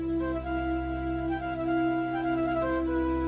kumpulkan riwayat delcave peux keteng kuk insan ini